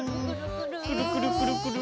くるくるくるくる！